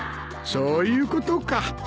そういうことか。